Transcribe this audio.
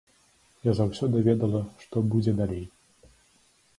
Я заўсёды ведала што будзе далей.